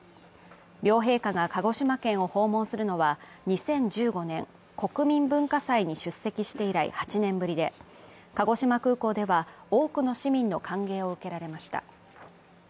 両陛下が鹿児島県を訪問するのは２０１５年、国民文化祭に出席して以来８年ぶりで鹿児島空港では多くの市民の歓迎を受けられました。